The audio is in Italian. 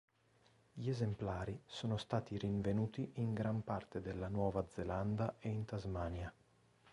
Gli esemplari sono stati rinvenuti in gran parte della Nuova Zelanda e in Tasmania.